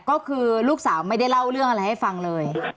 ก็คือลูกสาวไม่ได้เล่าเรื่องอะไรให้ฟังเลย